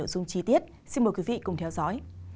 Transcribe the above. xin mời quý vị cùng theo dõi